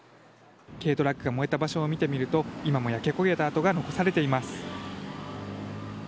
軽トラックが燃えた場所を見てみると今も焼け焦げた跡が残されています。